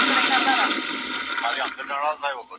په ممتازه ټولنه کي ليکوال او لوستونکی دواړه روزل کېږي.